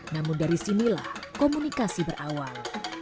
namun dari sinilah komunikasi berawal